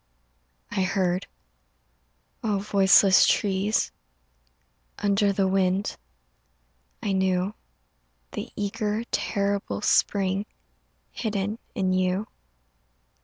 I heard ... oh voiceless trees Under the wind, I knew The eager terrible spring Hidden in you.